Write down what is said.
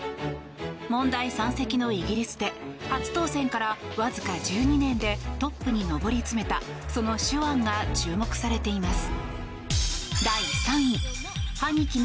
問題山積のイギリスで初当選からわずか１２年でトップに上り詰めたその手腕が注目されています。